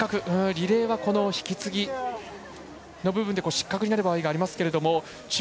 リレーは引き継ぎの部分で失格になる場合がありますけれども。